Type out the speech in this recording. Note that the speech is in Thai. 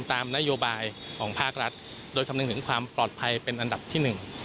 ตามนโยบายของภาครัฐโดยคำนึงถึงความปลอดภัยเป็นอันดับที่หนึ่ง